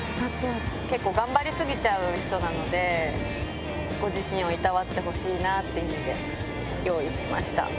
結構、頑張り過ぎちゃう人なので、ご自身をいたわってほしいなっていう意味で用意しました。